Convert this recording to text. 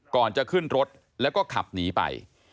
ก่อนจะขึ้นรถแล้วก็ขับหนีไป